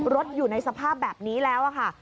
อยู่ในสภาพแบบนี้แล้วค่ะ